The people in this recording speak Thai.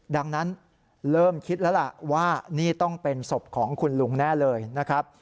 ดังนั้นเริ่มคิดแล้วล่ะว่านี่ต้องเป็นศพของคุณลุงแน่เลยนะครับ